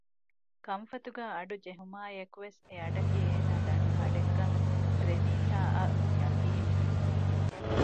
ކަންފަތުގައި އަޑު ޖެހުމާއިއެކު ވެސް އެއަޑަކީ އޭނާ ދަންނަ އަޑެއްކަން ރެނީސާއަށް ޔަގީންވި